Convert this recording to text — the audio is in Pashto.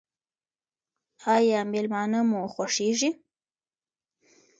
ایا میلمانه مو خوښیږي؟